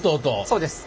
そうです。